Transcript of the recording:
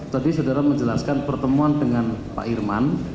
tadi saudara menjelaskan pertemuan dengan pak irman